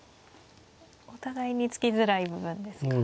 お互いに突きづらい部分ですか。